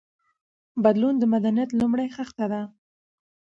بدلون د مدنيت لومړۍ خښته ده.